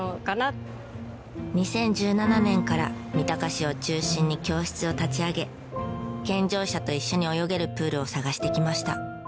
２０１７年から三鷹市を中心に教室を立ち上げ健常者と一緒に泳げるプールを探してきました。